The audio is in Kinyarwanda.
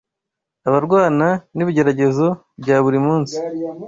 Abarwana n’ibigeragezo bya buri munsi